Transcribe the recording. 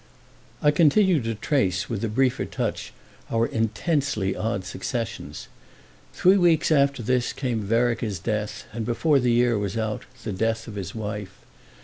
I continue to trace with a briefer touch our intensely odd successions. Three weeks after this came Vereker's death, and before the year was out the death of his wife.